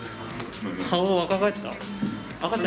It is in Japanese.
顔、若返った？